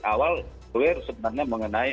awal queer sebenarnya mengenai